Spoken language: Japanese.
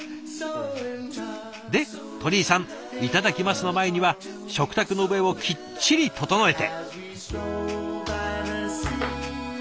で鳥居さん「いただきます」の前には食卓の上をきっちり整えて。